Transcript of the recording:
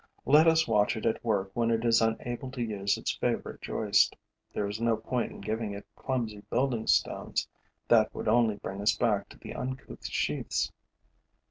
Let us watch it at work when it is unable to use its favorite joist. There is no point in giving it clumsy building stones; that would only bring us back to the uncouth sheaths.